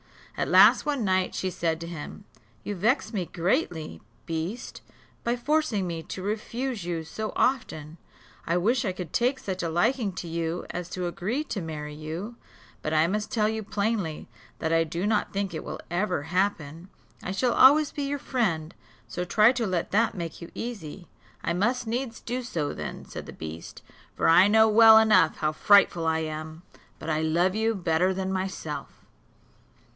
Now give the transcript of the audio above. At last, one night, she said to him, "You vex me greatly, beast, by forcing me to refuse you so often; I wish I could take such a liking to you as to agree to marry you, but I must tell you plainly, that I do not think it will ever happen. I shall always be your friend; so try to let that make you easy." "I must needs do so then," said the beast, "for I know well enough how frightful I am; but I love you better than myself.